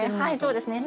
そうですね。